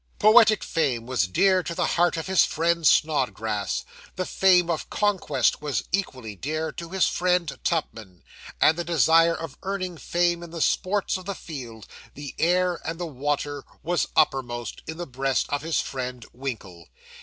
Poetic fame was dear to the heart of his friend Snodgrass; the fame of conquest was equally dear to his friend Tupman; and the desire of earning fame in the sports of the field, the air, and the water was uppermost in the breast of his friend Winkle.